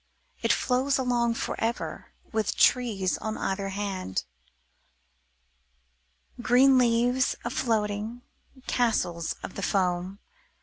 It flows along forever, With trees on either hand. HOUSE Green leaves a floating. Castles of the foam.